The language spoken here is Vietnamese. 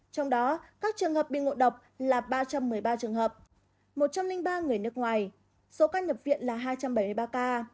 trong đó các trường hợp bị ngộ độc là ba trăm một mươi ba trường hợp một trăm linh ba người nước ngoài số ca nhập viện là hai trăm bảy mươi ba ca